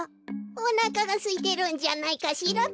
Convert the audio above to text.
おなかがすいてるんじゃないかしらべ。